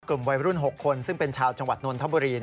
กลุ่มวัยรุ่น๖คนซึ่งเป็นชาวจังหวัดนนทบุรี